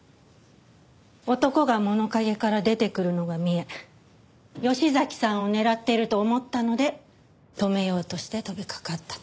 男が物陰から出てくるのが見え吉崎さんを狙っていると思ったので止めようとして飛びかかったと。